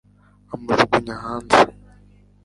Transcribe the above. amujugunya hanze